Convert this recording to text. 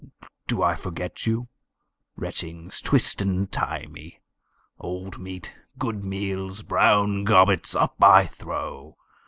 Do I forget you? Retchings twist and tie me, Old meat, good meals, brown gobbets, up I throw.